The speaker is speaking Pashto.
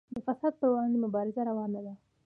د فساد پر وړاندې مبارزه روانه ده